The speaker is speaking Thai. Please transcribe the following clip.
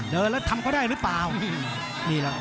เดินแล้วทำก็ได้หรือเปล่า